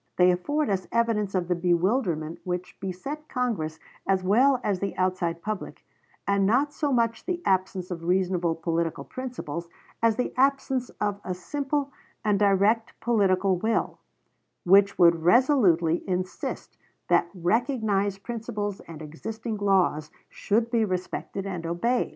They afford us evidence of the bewilderment which beset Congress as well as the outside public, and not so much the absence of reasonable political principles as the absence of a simple and direct political will, which would resolutely insist that recognized principles and existing laws should be respected and obeyed.